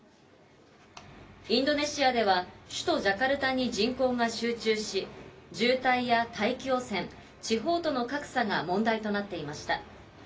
インドネシアでは、首都ジャカルタに人口が集中し、渋滞や大気汚染、地方との格差が問題となってました。